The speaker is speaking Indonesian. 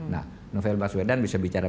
nah novel baswedan bisa bicara